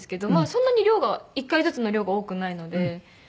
そんなに量が１回ずつの量が多くないので。